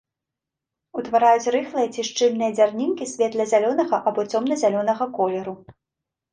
Утвараюць рыхлыя ці шчыльныя дзярнінкі светла-зялёнага або цёмна-зялёнага колеру.